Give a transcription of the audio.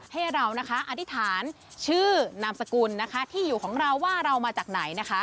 ให้เรานะคะอธิษฐานชื่อนามสกุลนะคะที่อยู่ของเราว่าเรามาจากไหนนะคะ